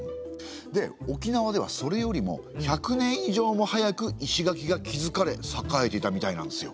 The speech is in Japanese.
で沖縄ではそれよりも１００年以上も早く石垣が築かれ栄えていたみたいなんですよ。